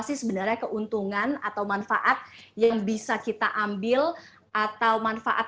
sih sebenarnya keuntungan atau manfaat yang bisa kita ambil atau manfaatnya untuk